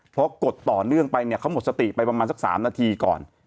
พอกดต่อเนื่องไปเนี่ยเขาหมดสติไปประมาณสัก๓นาทีก่อน